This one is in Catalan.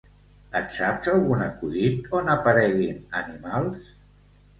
Et saps algun acudit on apareguin animals?